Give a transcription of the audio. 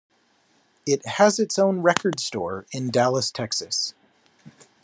It has its own record store in Dallas, Texas.